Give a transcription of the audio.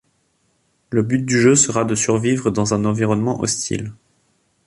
Le but du jeu sera de survivre dans un environnement hostile.